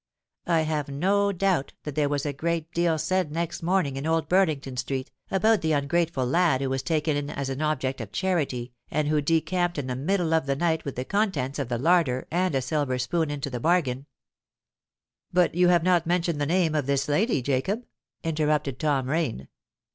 I have no doubt that there was a great deal said next morning in Old Burlington Street, about the ungrateful lad who was taken in as an object of charity, and who decamped in the middle of the night with the contents of the larder and a silver spoon into the bargain." "But you have not mentioned the name of this lady, Jacob?" interrupted Tom Rain.